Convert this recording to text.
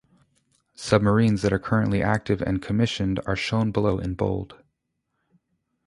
Submarines that are currently active and commissioned are shown below in bold.